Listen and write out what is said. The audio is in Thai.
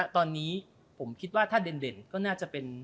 ตอนนี้ผมคิดว่าถ้าเด่นก็น่าจะเป็น